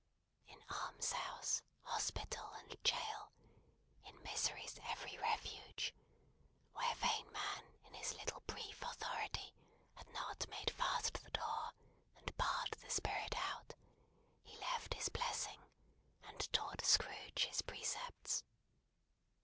In almshouse, hospital, and jail, in misery's every refuge, where vain man in his little brief authority had not made fast the door, and barred the Spirit out, he left his blessing, and taught Scrooge his precepts.